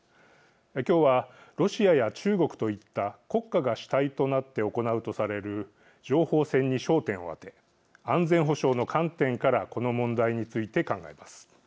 今日はロシアや中国といった国家が主体となって行うとされる情報戦に焦点を当て安全保障の観点からこの問題について考えます。